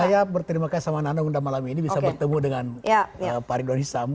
saya berterima kasih sama nana undang malam ini bisa bertemu dengan pak ridwan hisam